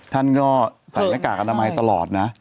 ท่านก็ใส่หน้ากากอนามัยตลอดนะ